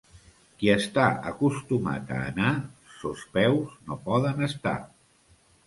Qui està acostumat a anar, sos peus no poden estar.